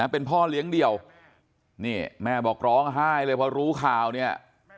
เป็นพ่อเลี้ยงเดี่ยวนี่แม่บอกร้องไห้เลยพอรู้ข่าวเนี่ย